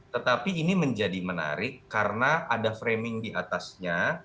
tetapi ini menjadi menarik karena ada framing di atasnya